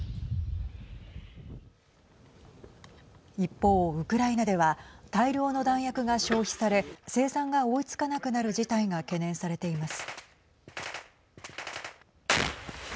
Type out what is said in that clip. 一方、ウクライナでは大量の弾薬が消費され生産が追いつかなくなる事態が懸念されています。